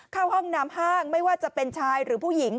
เข้าห้องน้ำห้างไม่ว่าจะเป็นชายหรือผู้หญิง